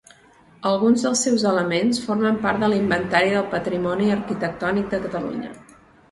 Alguns dels seus elements formen part de l'Inventari del Patrimoni Arquitectònic de Catalunya.